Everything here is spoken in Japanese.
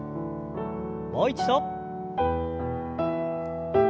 もう一度。